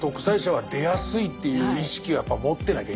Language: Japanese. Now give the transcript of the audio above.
はい。